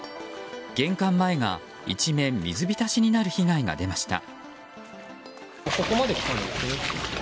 玄関前が一面水浸しになる被害が出ました。